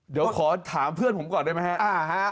เดี๋ยวขอถามเพื่อนผมก่อนได้ไหมครับ